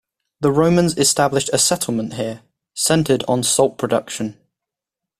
The Romans established a settlement here, centred on salt production.